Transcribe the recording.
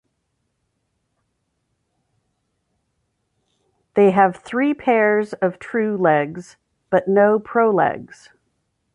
They have three pairs of true legs, but no prolegs.